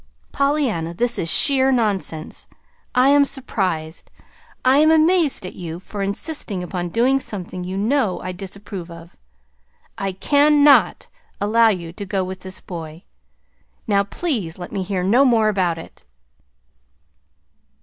"Pollyanna, this is sheer nonsense. I am surprised. I am amazed at you for insisting upon doing something you know I disapprove of. I CAN NOT allow you to go with this boy. Now please let me hear no more about it."